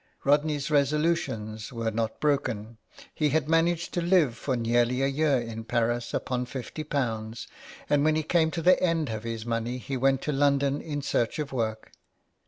'^ Rodney's resolutions were not broken ; he had managed to live for nearly a year in Paris upon fifty pounds, and when he came to the end of his money he went to London in search of work.